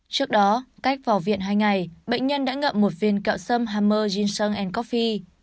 trước đó cách vào viện hai ngày bệnh nhân đã ngậm một viên kẹo sâm hammer gin sand coffee